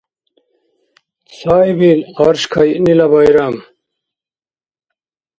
Цаибил гъарш кайънила байрам